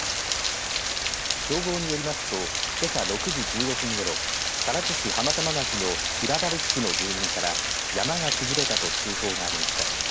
消防によりますとけさ６時１５分ごろ唐津市浜玉町の平原地区の住民から山が崩れたと通報がありました。